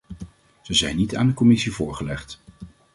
Ze zijn niet aan de commissie voorgelegd.